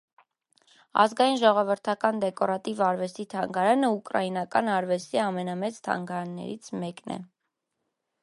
Ազգային ժողովրդական դեկորատիվ արվեստի թանգարանը ուկրաինական արվեստի ամենամեծ թանգարաններից մեկն է։